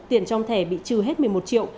tiền trong thẻ bị trừ hết một mươi một triệu